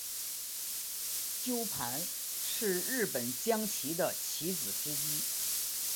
鸠盘是日本将棋的棋子之一。